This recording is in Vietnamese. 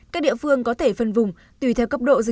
các địa phương có thể phân vùng